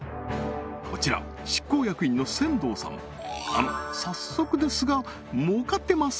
こちら執行役員の千藤さんあの早速ですが儲かってます？